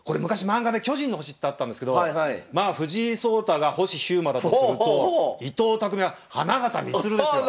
漫画で「巨人の星」ってあったんですけど藤井聡太が星飛雄馬だとすると伊藤匠は花形満ですよ。